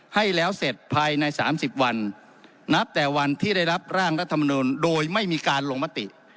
ให้แล้วเสร็จภายใน๓๐วันนับแต่วันที่ได้รับร่างรัฐมนุนโดยไม่มีการลงมติ